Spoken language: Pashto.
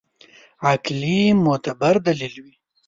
عقلي معتبر دلیل وي.